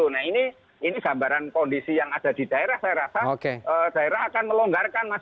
nah ini gambaran kondisi yang ada di daerah saya rasa daerah akan melonggarkan mas